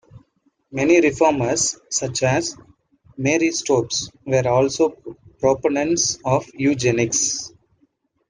Many reformers, such as Marie Stopes, were also proponents of eugenics.